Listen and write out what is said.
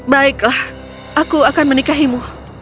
baiklah aku akan menikahimu